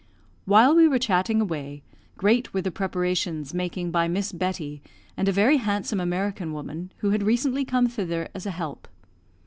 While we were chatting away, great were the preparations making by Miss Betty and a very handsome American woman, who had recently come thither as a help.